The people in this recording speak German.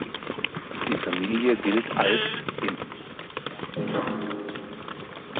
Die Familie gilt als im Mannesstamm erloschen.